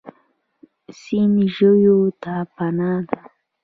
سیند ژویو ته پناه ده.